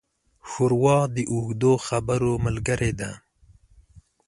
ښوروا د اوږدو خبرو ملګري ده.